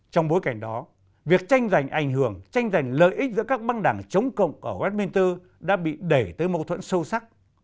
trong bối cảnh đó việc tranh giành ảnh hưởng tranh giành lợi ích giữa các băng đảng chống cộng ở westminster đã bị đẩy tới mâu thuẫn sâu sắc